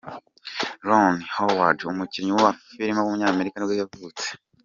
Ron Howard, umukinnyi wa filime w’umunyamerika nibwo yavutse.